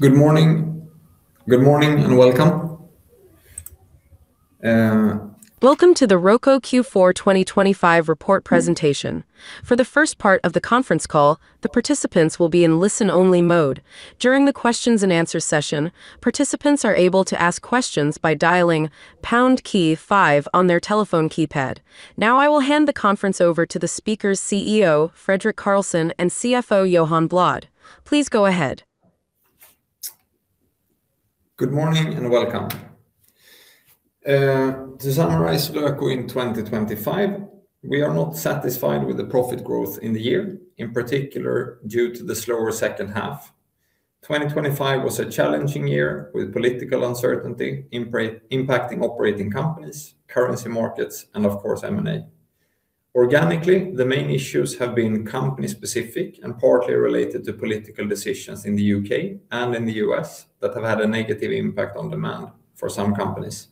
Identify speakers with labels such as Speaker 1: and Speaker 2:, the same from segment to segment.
Speaker 1: Good morning. Good morning and welcome.
Speaker 2: Welcome to the Röko Q4 2025 Report Presentation. For the first part of the conference call, the participants will be in listen-only mode. During the questions-and-answers session, participants are able to ask questions by dialing pound key 5 on their telephone keypad. Now I will hand the conference over to the speakers, CEO Fredrik Karlsson and CFO Johan Bladh. Please go ahead.
Speaker 1: Good morning and welcome. To summarize Röko in 2025: we are not satisfied with the profit growth in the year, in particular due to the slower second half. 2025 was a challenging year with political uncertainty impacting operating companies, currency markets, and of course M&A. Organically, the main issues have been company-specific and partly related to political decisions in the U.K. and in the U.S. that have had a negative impact on demand for some companies.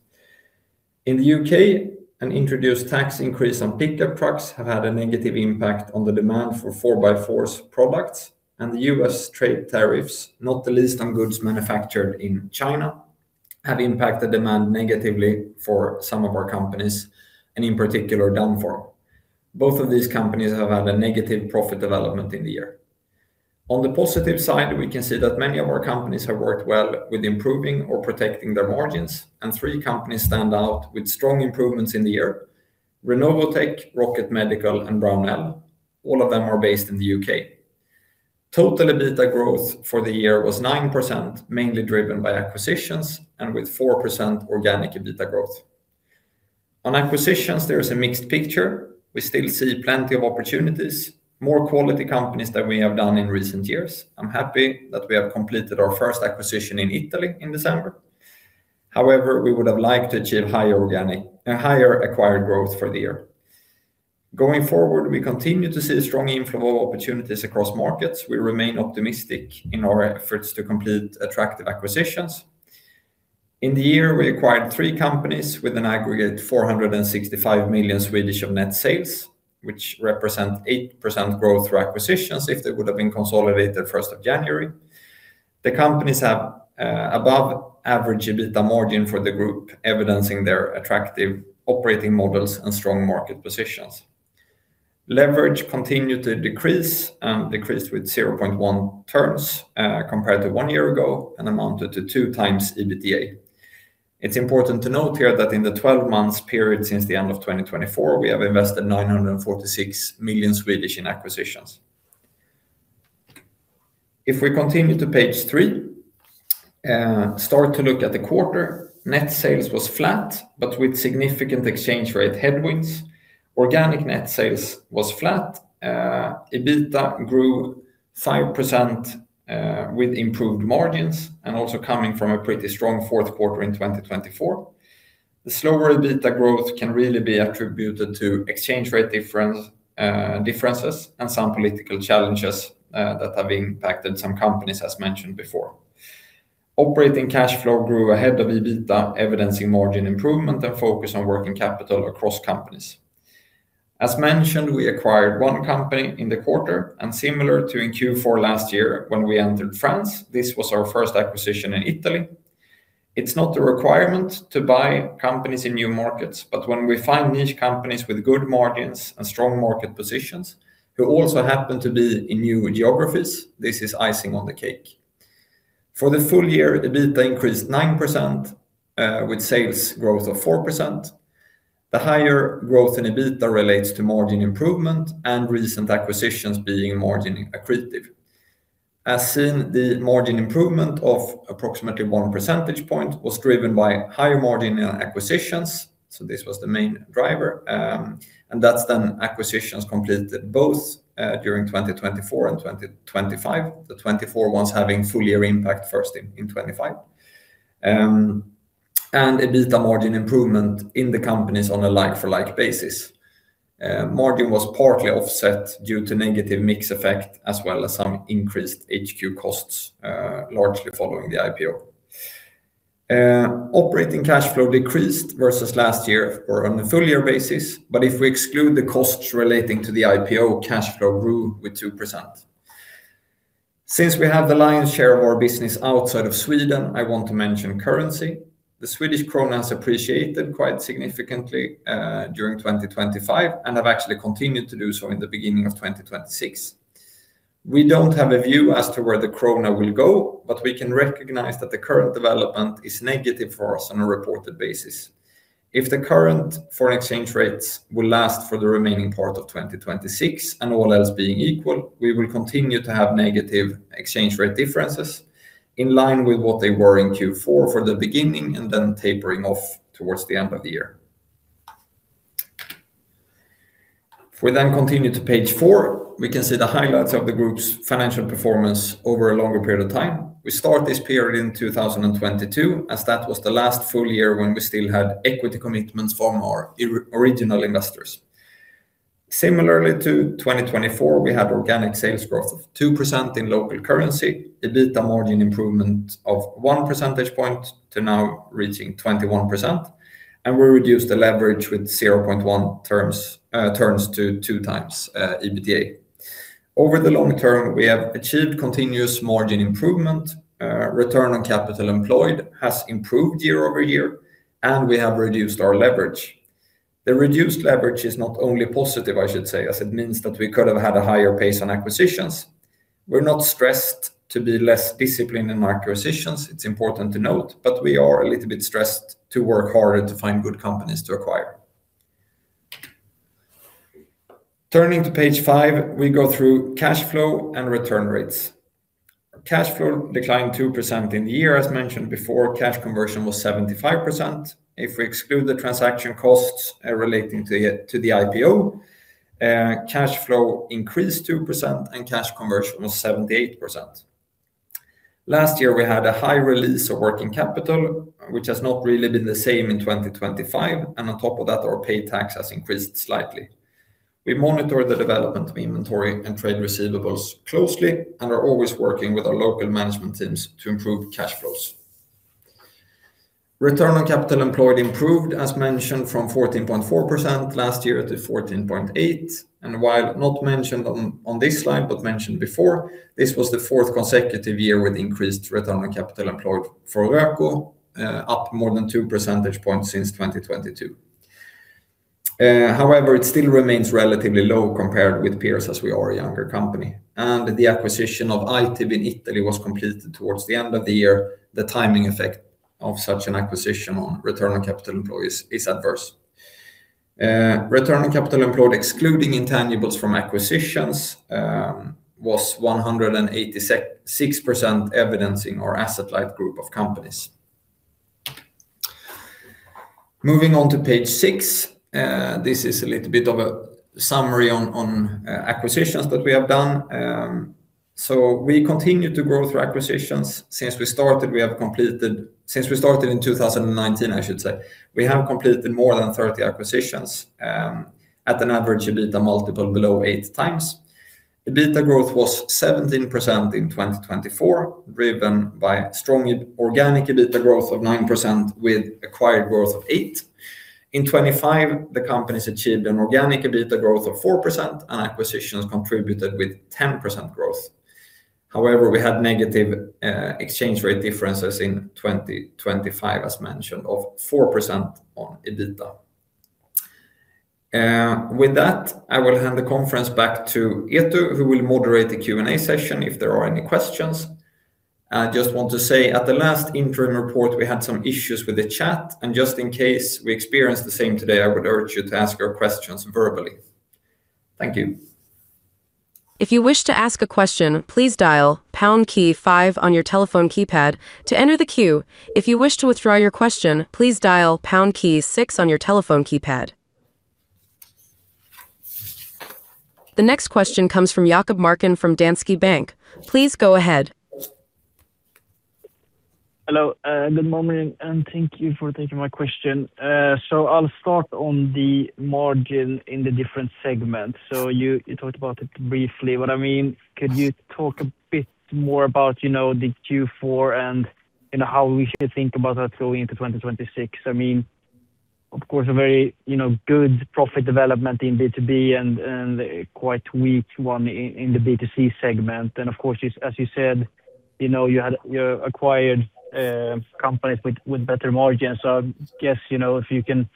Speaker 1: In the U.K., an introduced tax increase on pickup trucks has had a negative impact on the demand for 4x4s products, and the U.S. trade tariffs, not the least on goods manufactured in China, have impacted demand negatively for some of our companies, and in particular DAN-FORM. Both of these companies have had a negative profit development in the year. On the positive side, we can see that many of our companies have worked well with improving or protecting their margins, and three companies stand out with strong improvements in the year: Renovotec, Rocket Medical, and Brownell. All of them are based in the U.K. Total EBITDA growth for the year was 9%, mainly driven by acquisitions and with 4% organic EBITDA growth. On acquisitions, there is a mixed picture. We still see plenty of opportunities, more quality companies than we have done in recent years. I'm happy that we have completed our first acquisition in Italy in December. However, we would have liked to achieve higher organic and higher acquired growth for the year. Going forward, we continue to see a strong inflow of opportunities across markets. We remain optimistic in our efforts to complete attractive acquisitions. In the year, we acquired three companies with an aggregate 465 million of net sales, which represent 8% growth for acquisitions if they would have been consolidated 1st of January. The companies have above-average EBITDA margin for the group, evidencing their attractive operating models and strong market positions. Leverage continued to decrease and decreased with 0.1x turns, compared to one year ago and amounted to 2x EBITDA. It's important to note here that in the 12-month period since the end of 2024, we have invested 946 million in acquisitions. If we continue to page 3, start to look at the quarter. Net sales was flat but with significant exchange rate headwinds. Organic net sales was flat. EBITDA grew 5%, with improved margins and also coming from a pretty strong fourth quarter in 2024. The slower EBITDA growth can really be attributed to exchange rate difference, differences and some political challenges, that have impacted some companies, as mentioned before. Operating cash flow grew ahead of EBITDA, evidencing margin improvement and focus on working capital across companies. As mentioned, we acquired one company in the quarter and similar to in Q4 last year when we entered France, this was our first acquisition in Italy. It's not a requirement to buy companies in new markets, but when we find niche companies with good margins and strong market positions who also happen to be in new geographies, this is icing on the cake. For the full year, EBITDA increased 9%, with sales growth of 4%. The higher growth in EBITDA relates to margin improvement and recent acquisitions being margin accretive. As seen, the margin improvement of approximately one percentage point was driven by higher margin acquisitions. So this was the main driver. And that's then acquisitions completed both during 2024 and 2025, the 2024 ones having full year impact first in 2025. And EBITDA margin improvement in the companies on a like-for-like basis. Margin was partly offset due to negative mix effect as well as some increased HQ costs, largely following the IPO. Operating cash flow decreased versus last year on a full year basis. But if we exclude the costs relating to the IPO, cash flow grew with 2%. Since we have the lion's share of our business outside of Sweden, I want to mention currency. The Swedish krona has appreciated quite significantly during 2025 and have actually continued to do so in the beginning of 2026. We don't have a view as to where the krona will go, but we can recognize that the current development is negative for us on a reported basis. If the current foreign exchange rates will last for the remaining part of 2026 and all else being equal, we will continue to have negative exchange rate differences in line with what they were in Q4 for the beginning and then tapering off towards the end of the year. If we then continue to page four, we can see the highlights of the group's financial performance over a longer period of time. We start this period in 2022 as that was the last full year when we still had equity commitments from our original investors. Similarly to 2024, we had organic sales growth of 2% in local currency, EBITDA margin improvement of one percentage point to now reaching 21%, and we reduced the leverage with 0.1x turns to 2x EBITDA. Over the long term, we have achieved continuous margin improvement. Return on capital employed has improved year-over-year, and we have reduced our leverage. The reduced leverage is not only positive, I should say, as it means that we could have had a higher pace on acquisitions. We're not stressed to be less disciplined in our acquisitions. It's important to note, but we are a little bit stressed to work harder to find good companies to acquire. Turning to page 5, we go through cash flow and return rates. Cash flow declined 2% in the year. As mentioned before, cash conversion was 75%. If we exclude the transaction costs relating to the IPO, cash flow increased 2% and cash conversion was 78%. Last year, we had a high release of working capital, which has not really been the same in 2025. And on top of that, our paid tax has increased slightly. We monitor the development of inventory and trade receivables closely and are always working with our local management teams to improve cash flows. Return on capital employed improved, as mentioned, from 14.4% last year to 14.8%. And while not mentioned on this slide but mentioned before, this was the fourth consecutive year with increased return on capital employed for Röko, up more than two percentage points since 2022. However, it still remains relatively low compared with peers as we are a younger company. And the acquisition of ITIB in Italy was completed towards the end of the year. The timing effect of such an acquisition on return on capital employed is adverse. Return on capital employed excluding intangibles from acquisitions was 186%, evidencing our asset-light group of companies. Moving on to page 6, this is a little bit of a summary on acquisitions that we have done. We continue to grow through acquisitions. Since we started in 2019, I should say, we have completed more than 30 acquisitions, at an average EBITDA multiple below 8x. EBITDA growth was 17% in 2024, driven by strong organic EBITDA growth of 9% with acquired growth of 8%. In 2025, the companies achieved an organic EBITDA growth of 4% and acquisitions contributed with 10% growth. However, we had negative exchange rate differences in 2025, as mentioned, of 4% on EBITDA. With that, I will hand the conference back to Eetu, who will moderate the Q&A session if there are any questions. I just want to say at the last interim report, we had some issues with the chat. Just in case we experience the same today, I would urge you to ask your questions verbally. Thank you.
Speaker 2: If you wish to ask a question, please dial pound key five on your telephone keypad to enter the queue. If you wish to withdraw your question, please dial pound key six on your telephone keypad. The next question comes from Jakob Marken from Danske Bank. Please go ahead.
Speaker 3: Hello. Good morning. Thank you for taking my question. I'll start on the margin in the different segments. You talked about it briefly. What I mean, could you talk a bit more about, you know, the Q4 and, you know, how we should think about that going into 2026? I mean, of course, a very, you know, good profit development in B2B and quite weak one in the B2C segment. And of course, as you said, you know, you had acquired companies with better margins. So I guess, you know, if you can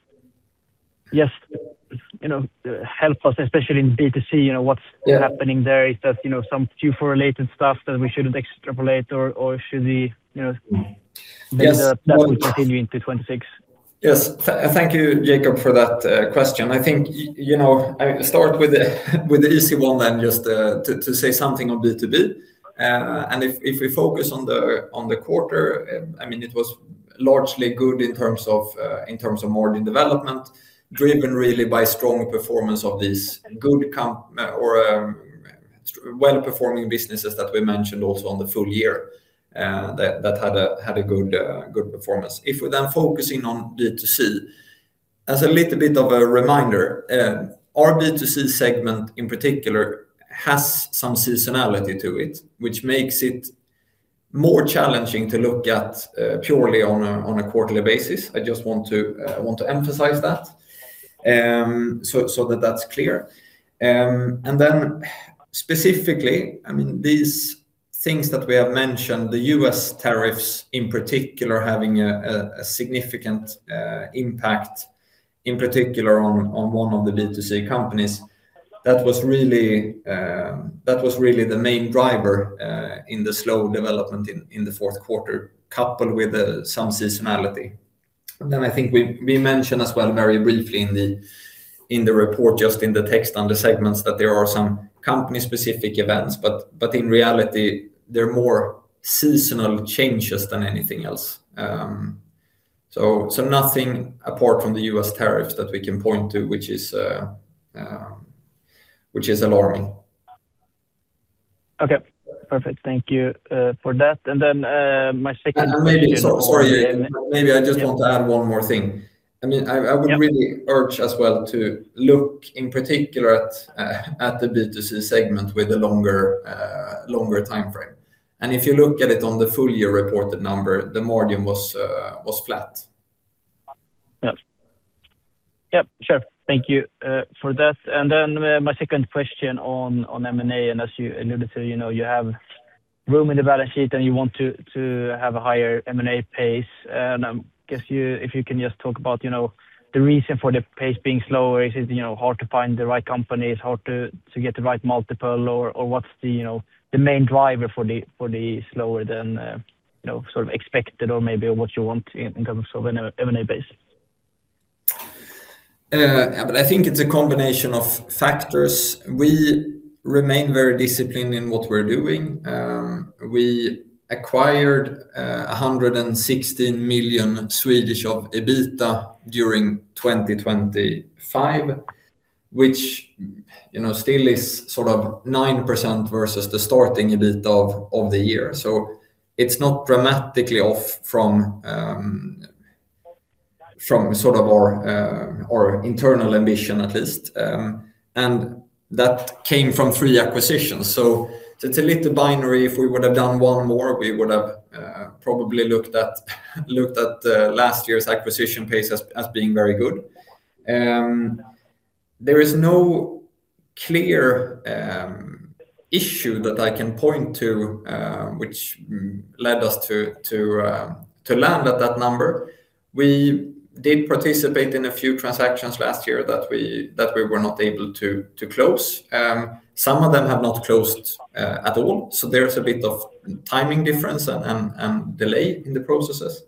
Speaker 3: help us, especially in B2C, you know, what's happening there? Is that, you know, some Q4 related stuff that we shouldn't extrapolate or should we, you know, that will continue into 2026?
Speaker 1: Yes. Thank you, Jakob, for that question. I think, you know, I start with the easy one then just to say something on B2B. And if we focus on the quarter, I mean, it was largely good in terms of margin development driven really by strong performance of these good companies or well-performing businesses that we mentioned also on the full year, that had a good performance. If we then focus in on B2C, as a little bit of a reminder, our B2C segment in particular has some seasonality to it, which makes it more challenging to look at, purely on a quarterly basis. I just want to emphasize that, so that that's clear. And then specifically, I mean, these things that we have mentioned, the U.S. tariffs in particular having a significant impact in particular on one of the B2C companies, that was really the main driver in the slow development in the fourth quarter coupled with some seasonality. And then I think we mentioned as well very briefly in the report, just in the text on the segments, that there are some company-specific events, but in reality, they're more seasonal changes than anything else. So nothing apart from the U.S. tariffs that we can point to, which is alarming.
Speaker 3: Okay, perfect. Thank you for that. And then, my second--
Speaker 1: Maybe sorry. Maybe I just want to add one more thing. I mean, I would really urge as well to look in particular at the B2C segment with a longer time frame. And if you look at it on the full year reported number, the margin was flat.
Speaker 3: Yep, sure. Thank you for that. Then my second question on M&A. And as you alluded to, you know, you have room in the balance sheet and you want to have a higher M&A pace. And I guess if you can just talk about, you know, the reason for the pace being slower, is it, you know, hard to find the right companies, hard to get the right multiple, or what's the, you know, the main driver for the slower than, you know, sort of expected or maybe what you want in terms of an M&A pace?
Speaker 1: Yeah, but I think it's a combination of factors. We remain very disciplined in what we're doing. We acquired 116 million of EBITDA during 2025, which, you know, still is sort of 9% versus the starting EBITDA of the year. So it's not dramatically off from sort of our internal ambition at least. And that came from three acquisitions. So it's a little binary. If we would have done one more, we would have probably looked at last year's acquisition pace as being very good. There is no clear issue that I can point to, which led us to land at that number. We did participate in a few transactions last year that we were not able to close. Some of them have not closed at all. So there's a bit of timing difference and delay in the processes.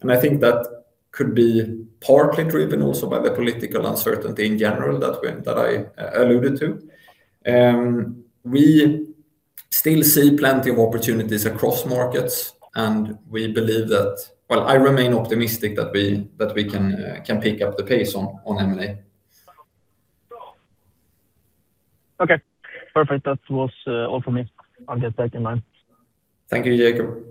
Speaker 1: And I think that could be partly driven also by the political uncertainty in general that I alluded to. We still see plenty of opportunities across markets and we believe that well, I remain optimistic that we can pick up the pace on M&A.
Speaker 3: Okay, perfect. That was all from me. I'll get back in line.
Speaker 1: Thank you, Jakob.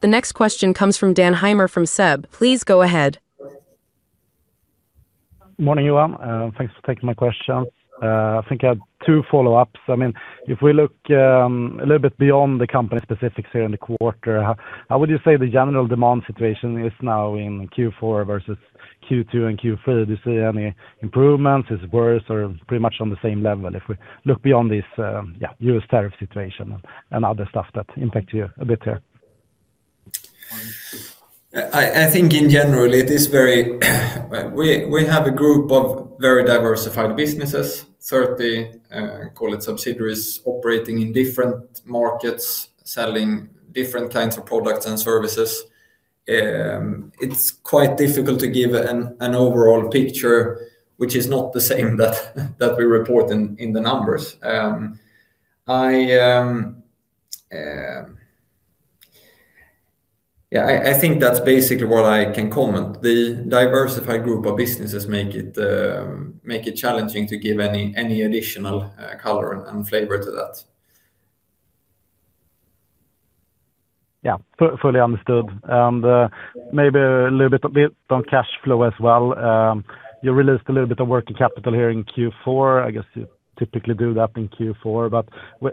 Speaker 2: The next question comes from Dan Heimer from SEB. Please go ahead.
Speaker 4: Good morning, Johan. Thanks for taking my questions. I think I had two follow-ups. I mean, if we look a little bit beyond the company specifics here in the quarter, how would you say the general demand situation is now in Q4 versus Q2 and Q3? Do you see any improvements? Is it worse or pretty much on the same level if we look beyond this, yeah, U.S. tariff situation and other stuff that impact you a bit here?
Speaker 1: I think in general it is very we have a group of very diversified businesses, 30, call it subsidiaries operating in different markets, selling different kinds of products and services. It's quite difficult to give an overall picture, which is not the same that we report in the numbers. I, yeah, I think that's basically what I can comment. The diversified group of businesses make it challenging to give any additional color and flavor to that.
Speaker 4: Yeah, fully understood. And maybe a little bit on cash flow as well. You released a little bit of working capital here in Q4. I guess you typically do that in Q4, but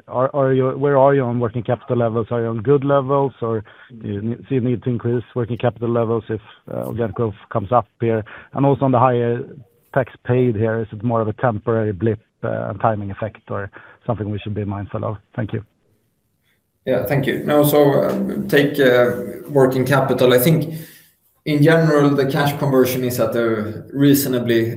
Speaker 4: are you on working capital levels? Are you on good levels or do you see a need to increase working capital levels if organic growth comes up here? And also on the higher tax paid here, is it more of a temporary blip and timing effect or something we should be mindful of? Thank you.
Speaker 1: Yeah, thank you. No, so take working capital. I think in general the cash conversion is at a reasonably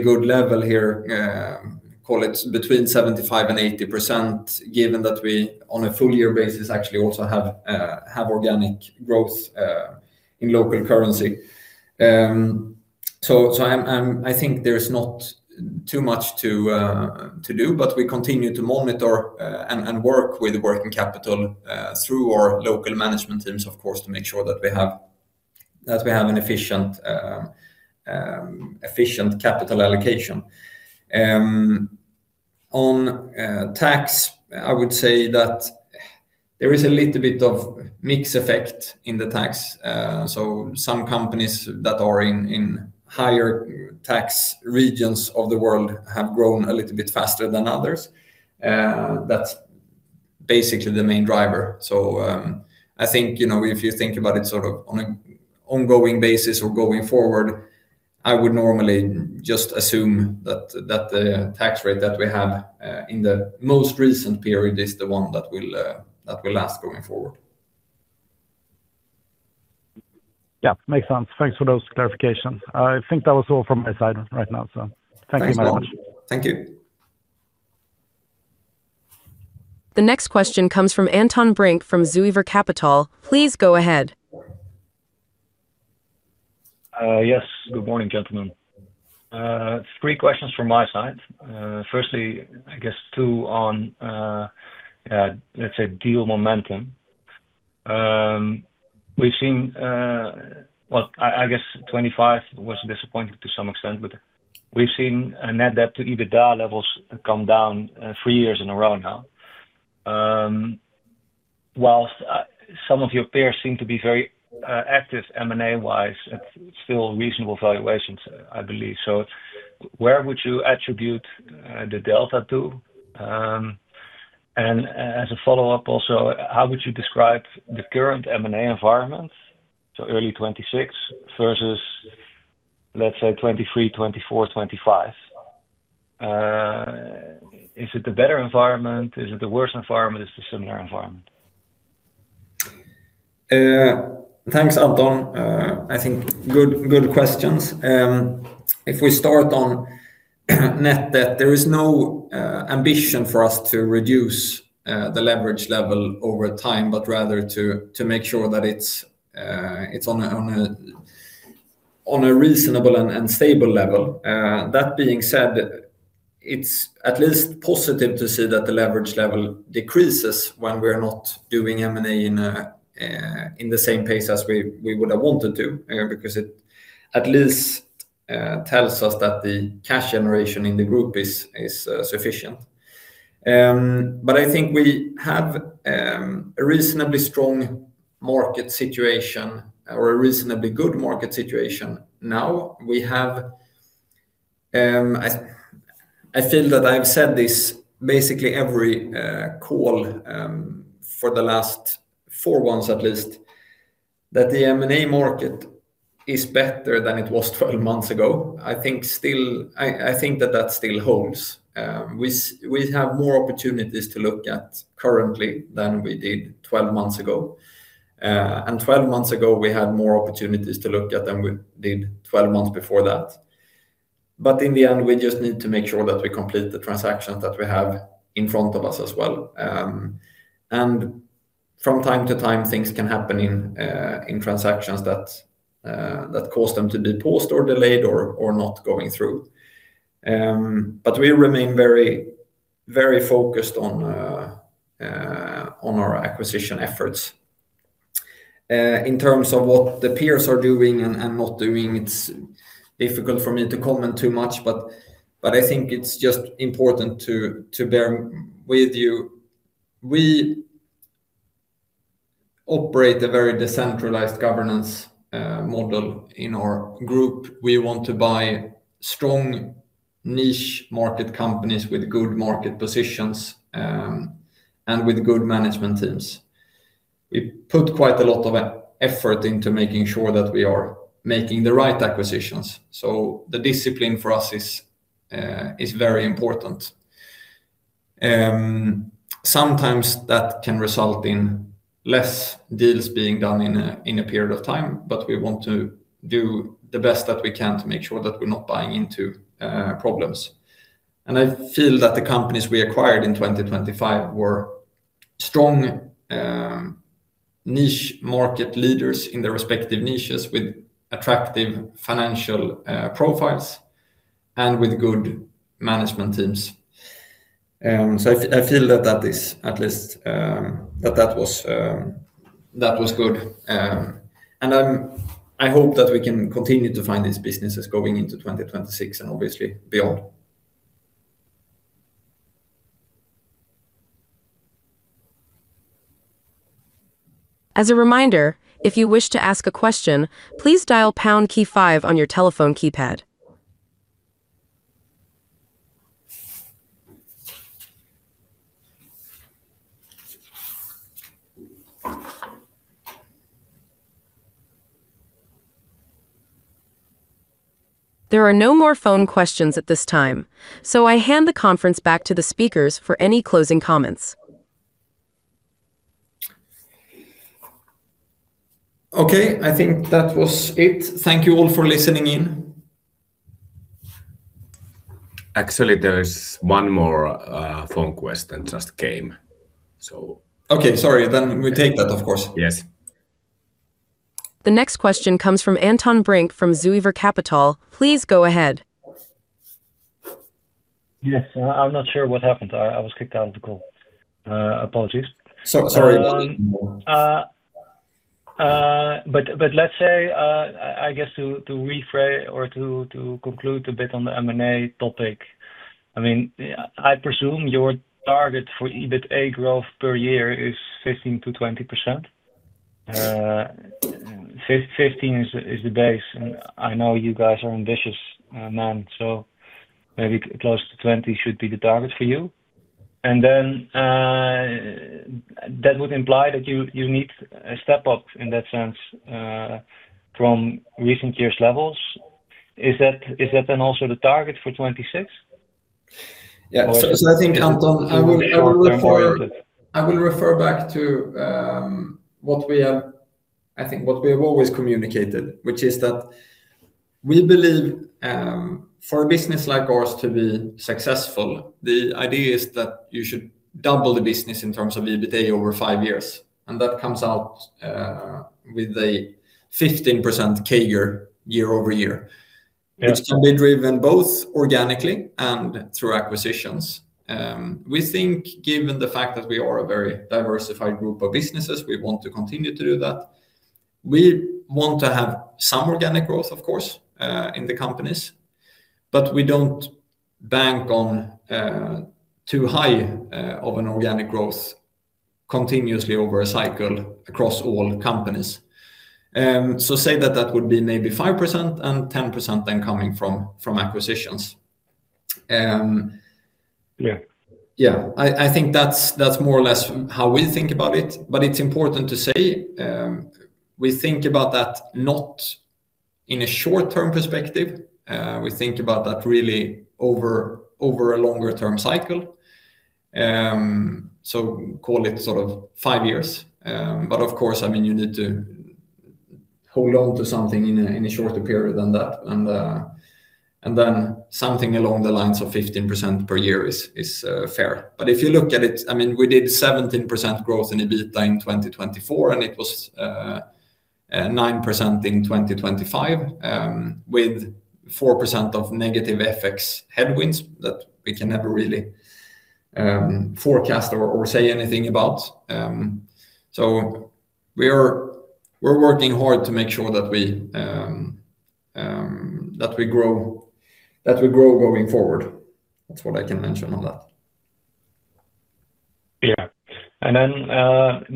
Speaker 1: good level here, call it between 75%-80%, given that we on a full year basis actually also have organic growth in local currency. So I think there's not too much to do, but we continue to monitor and work with working capital through our local management teams, of course, to make sure that we have an efficient capital allocation. On tax, I would say that there is a little bit of mix effect in the tax. So some companies that are in higher tax regions of the world have grown a little bit faster than others. That's basically the main driver. I think, you know, if you think about it sort of on an ongoing basis or going forward, I would normally just assume that the tax rate that we have in the most recent period is the one that will last going forward.
Speaker 4: Yeah, makes sense. Thanks for those clarifications. I think that was all from my side right now. So thank you very much.
Speaker 1: Thank you.
Speaker 2: The next question comes from Anton Brink from Zuiver Kapitaal. Please go ahead.
Speaker 5: Yes. Good morning, gentlemen. It's three questions from my side. Firstly, I guess two on, yeah, let's say deal momentum. We've seen, well, I guess 2025 was disappointing to some extent, but we've seen net debt to EBITDA levels come down three years in a row now. Whilst some of your peers seem to be very active M&A wise, it's still reasonable valuations, I believe. So where would you attribute the delta to? And as a follow-up also, how would you describe the current M&A environment? So early 2026 versus, let's say, 2023, 2024, 2025. Is it a better environment? Is it a worse environment? Is it a similar environment?
Speaker 1: Thanks, Anton. I think good good questions. If we start on net debt, there is no ambition for us to reduce the leverage level over time, but rather to make sure that it's on a reasonable and stable level. That being said, it's at least positive to see that the leverage level decreases when we are not doing M&A in the same pace as we would have wanted to, because it at least tells us that the cash generation in the group is sufficient. But I think we have a reasonably strong market situation or a reasonably good market situation now. I feel that I've said this basically every call for the last four months at least, that the M&A market is better than it was 12 months ago. I think that still holds. We have more opportunities to look at currently than we did 12 months ago. 12 months ago, we had more opportunities to look at than we did 12 months before that. In the end, we just need to make sure that we complete the transactions that we have in front of us as well. From time to time, things can happen in transactions that cause them to be posted or delayed or not going through. We remain very, very focused on our acquisition efforts in terms of what the peers are doing and not doing. It's difficult for me to comment too much, but I think it's just important to bear with you. We operate a very decentralized governance model in our group. We want to buy strong niche market companies with good market positions and with good management teams. We put quite a lot of effort into making sure that we are making the right acquisitions. So the discipline for us is very important. Sometimes that can result in less deals being done in a period of time, but we want to do the best that we can to make sure that we're not buying into problems. And I feel that the companies we acquired in 2025 were strong niche market leaders in their respective niches with attractive financial profiles and with good management teams. So I feel that that is at least that was good. And I hope that we can continue to find these businesses going into 2026 and obviously beyond.
Speaker 2: As a reminder, if you wish to ask a question, please dial pound key five on your telephone keypad. There are no more phone questions at this time, so I hand the conference back to the speakers for any closing comments.
Speaker 1: Okay, I think that was it. Thank you all for listening in.
Speaker 6: Actually, there's one more phone question just came, so.
Speaker 1: Okay, sorry. Then we take that, of course.
Speaker 6: Yes.
Speaker 2: The next question comes from Anton Brink from Zuiver Kapitaal. Please go ahead.
Speaker 5: Yes. I'm not sure what happened. I was kicked out of the call. Apologies.
Speaker 1: Sorry.
Speaker 5: But let's say, I guess, to rephrase or to conclude a bit on the M&A topic. I mean, I presume your target for EBITDA growth per year is 15%-20%. 15% is the base. And I know you guys are ambitious men, so maybe close to 20% should be the target for you. And then that would imply that you need a step up in that sense from recent years levels. Is that then also the target for 2026?
Speaker 1: Yeah. So I think, Anton, I will refer back to what we have--I think what we have always communicated, which is that we believe for a business like ours to be successful, the idea is that you should double the business in terms of EBITDA over five years. And that comes out with a 15% CAGR year-over-year, which can be driven both organically and through acquisitions. We think, given the fact that we are a very diversified group of businesses, we want to continue to do that. We want to have some organic growth, of course, in the companies, but we don't bank on too high of an organic growth continuously over a cycle across all companies. So say that that would be maybe 5% and 10% then coming from acquisitions. Yeah. I think that's more or less how we think about it. But it's important to say we think about that not in a short-term perspective. We think about that really over a longer-term cycle. So call it sort of five years. But of course, I mean, you need to hold on to something in a shorter period than that. And then something along the lines of 15% per year is fair. But if you look at it, I mean, we did 17% growth in EBITDA in 2024, and it was 9% in 2025 with 4% of negative FX headwinds that we can never really forecast or say anything about. So we're working hard to make sure that we grow going forward. That's what I can mention on that.
Speaker 5: Yeah. And then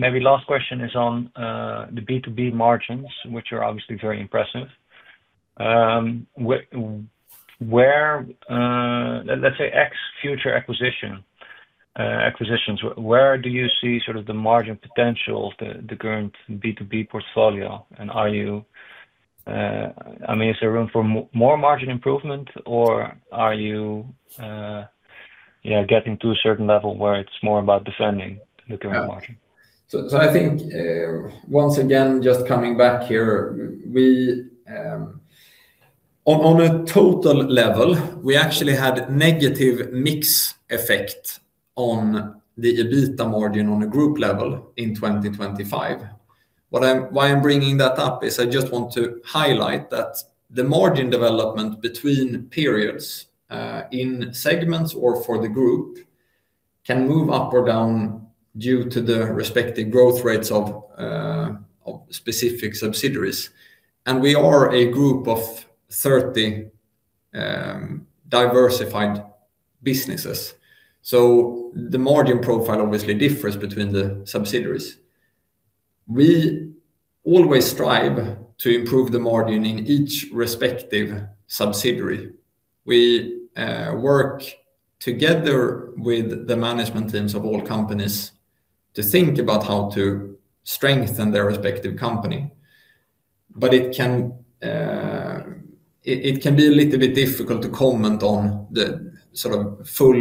Speaker 5: maybe last question is on the B2B margins, which are obviously very impressive. Where, let's say, in future acquisitions, where do you see sort of the margin potential of the current B2B portfolio? And are you, I mean, is there room for more margin improvement or are you, yeah, getting to a certain level where it's more about defending the current margin?
Speaker 1: So I think once again, just coming back here, we, on a total level, we actually had negative mix effect on the EBITDA margin on a group level in 2025. Why I'm bringing that up is I just want to highlight that the margin development between periods in segments or for the group can move up or down due to the respective growth rates of specific subsidiaries. And we are a group of 30 diversified businesses. So the margin profile obviously differs between the subsidiaries. We always strive to improve the margin in each respective subsidiary. We work together with the management teams of all companies to think about how to strengthen their respective company. But it can be a little bit difficult to comment on the sort of full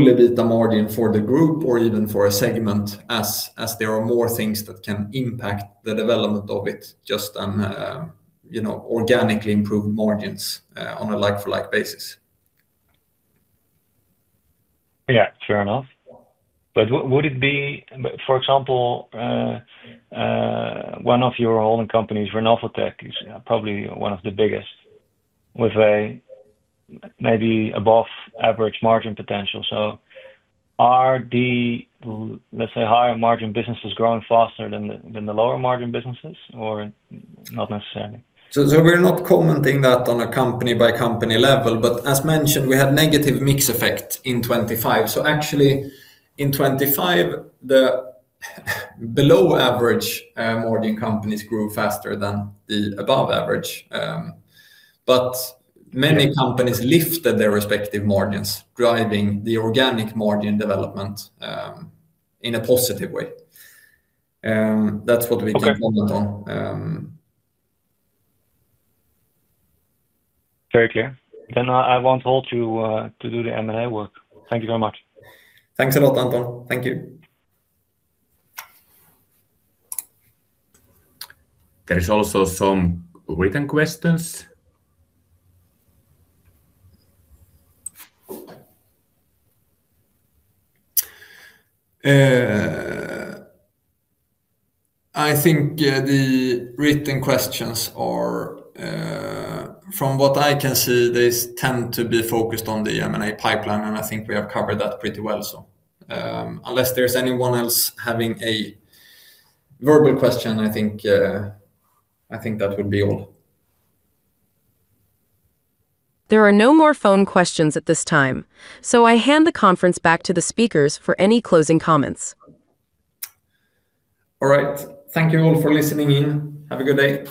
Speaker 1: EBITDA margin for the group or even for a segment as there are more things that can impact the development of it just on, you know, organically improved margins on a like-for-like basis.
Speaker 5: Yeah, fair enough. But would it be, for example, one of your holding companies, Renovotec, is probably one of the biggest with a maybe above average margin potential? So are the, let's say, higher margin businesses growing faster than the lower margin businesses or not necessarily?
Speaker 1: We're not commenting that on a company by company level. As mentioned, we had negative mix effect in 2025. Actually in 2025, the below average margin companies grew faster than the above average. Many companies lifted their respective margins, driving the organic margin development in a positive way. That's what we can comment on.
Speaker 5: Very clear. Then I won't hold you to do the M&A work. Thank you very much.
Speaker 1: Thanks a lot, Anton. Thank you.
Speaker 6: There is also some written questions.
Speaker 1: I think the written questions are, from what I can see, they tend to be focused on the M&A pipeline. And I think we have covered that pretty well. So unless there is anyone else having a verbal question, I think that would be all.
Speaker 2: There are no more phone questions at this time, so I hand the conference back to the speakers for any closing comments.
Speaker 1: All right. Thank you all for listening in. Have a good day.